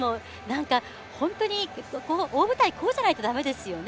本当に大舞台こうじゃないとだめですよね。